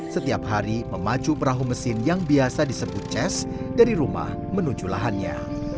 setiap hari memacu perahu mesin yang biasa disebut ces dari rumah menuju lahannya